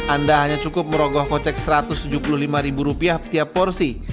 anda hanya cukup merogoh kocek rp satu ratus tujuh puluh lima setiap porsi